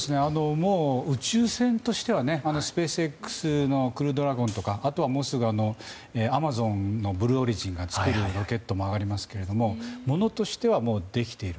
もう宇宙船としてはスペースＸの「クルードラゴン」とかもうすぐアマゾンのブルー・オリジンが作るロケットもありますから物としてはできている。